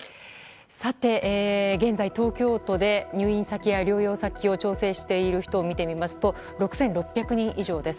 現在、東京都で入院先や療養先を調整している人を見てみますと６６００人以上です。